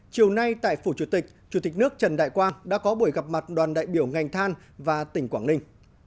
chiều nay tại phủ chủ tịch chủ tịch nước trần đại quang đã có buổi gặp mặt đoàn đại biểu ngành than và tỉnh quảng ninh